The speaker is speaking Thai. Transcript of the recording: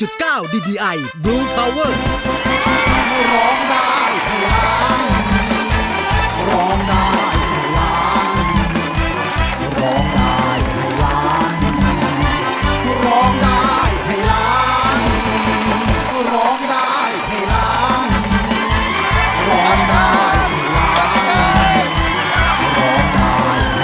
สวัสดีครับสวัสดีครับสวัสดีครับสวัสดีครับ